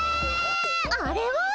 あれは。